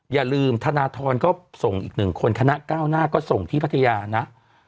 อย่าลืมธนทรก็ส่งอีก๑คนคณะก้าวหน้าก็ส่งที่พัทยานะ